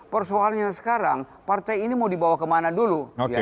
persoalannya sekarang partai ini mau dibawa kemana dulu